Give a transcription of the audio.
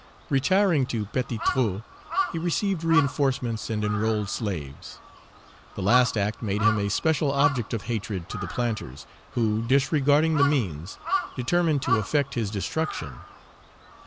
Retiring to Petit Trou, he received reinforcements and enrolled slaves. The last act made him a special object of hatred to the planters, who, disregarding the means, determined to effect his destruction.